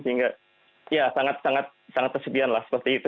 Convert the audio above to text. sehingga ya sangat sangat kesedihan lah seperti itu